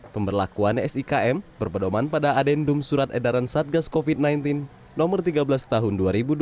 pemberlakuan sikm berpedoman pada adendum surat edaran satgas covid sembilan belas no tiga belas tahun dua ribu dua puluh